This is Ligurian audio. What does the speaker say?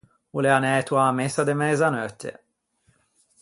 O l’é anæto a-a messa de mëzaneutte.